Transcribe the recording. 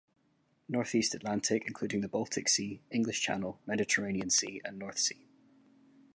Northeast Atlantic including the Baltic Sea, English Channel, Mediterranean Sea and North Sea.